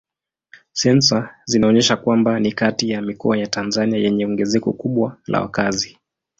Sensa zinaonyesha kwamba ni kati ya mikoa ya Tanzania yenye ongezeko kubwa la wakazi.